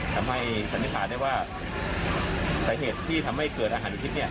ทำให้สัญญาคาได้ว่าสาเหตุที่ทำให้เกิดอาหารพิษเนี่ย